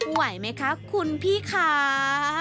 ไหวมั้ยครับคุณพี่ค้า